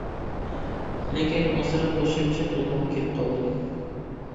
لېكىن ئازراق قوشۇمچە قىلغۇم كېلىپ قالدى.